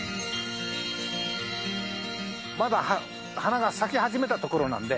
まだ花が咲き始めたところなんで。